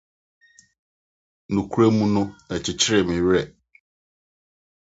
Nokwarem no, ɛkyekyee me werɛ.